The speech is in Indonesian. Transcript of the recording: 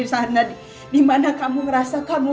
yang selalu kamu lakuin adalah kamu mencari dia sendiri